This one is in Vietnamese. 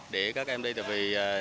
để các em đi từ vì